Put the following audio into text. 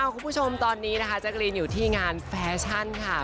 คุณผู้ชมตอนนี้นะคะแจ๊กรีนอยู่ที่งานแฟชั่นค่ะ